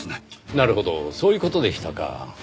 なるほどそういう事でしたか。